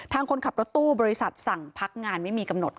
คนขับรถตู้บริษัทสั่งพักงานไม่มีกำหนด